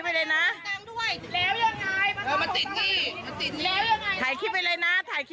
โทรแจงเร็วเป็นลมแล้วเร็ว